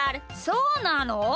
そうなの？